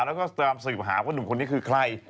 แล้วก็ตามสืบหาว่าหนุ่มคนนี้คือใคร